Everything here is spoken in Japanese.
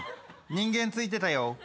人間ついてたよ。